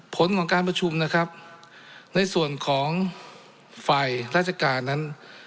ผลของการประชุมนะครับในส่วนของฝ่ายราชการนั้น